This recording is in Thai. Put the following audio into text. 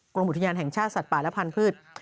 กรมอุทยานแห่งชาติสัตว์ป่าและพันธุ์